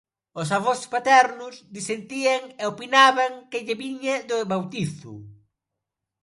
Os avós paternos disentían e opinaban que lle viña do bautizo.